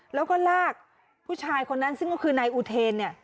แล้วก็ลากผู้ชายคนนั้นซึ่งก็คือนายอุเทนเนี่ย